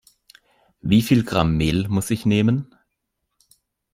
Wie viel Gramm Mehl muss ich nehmen?